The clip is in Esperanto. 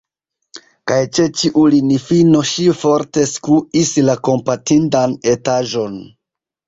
Kaj ĉe ĉiu linifino ŝi forte skuis la kompatindan etaĵon.